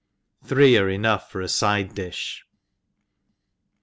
Three arc enough for a fide difh.